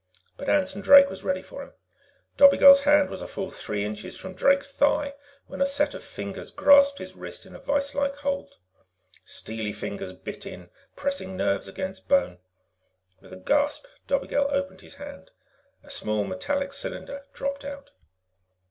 But Anson Drake was ready for him. Dobigel's hand was a full three inches from Drake's thigh when a set of fingers grasped his wrist in a viselike hold. Steely fingers bit in, pressing nerves against bone. With a gasp, Dobigel opened his hand. A small, metallic cylinder dropped out.